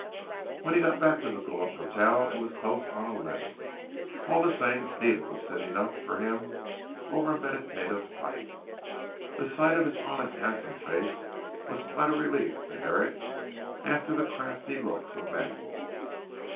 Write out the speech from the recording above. When he got back to the Guelph Hotel it was close on eleven. All the same Stephen was sitting up for him over a meditative pipe. The sight of his honest handsome face was quite a relief to Herrick after the crafty looks of Manuel.